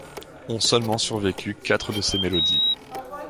Ont seulement survécu quatre de ses mélodies.